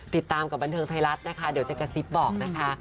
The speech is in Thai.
ติดตามกับบันเทิงไทยรัฐนะคะเดี๋ยวจะกระซิบบอกนะคะ